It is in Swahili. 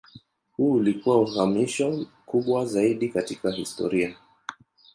Huu ulikuwa uhamisho mkubwa zaidi katika historia.